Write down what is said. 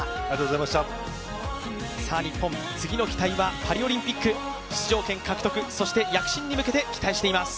日本、次の期待はパリオリンピック出場権獲得躍進に向けて、期待しています。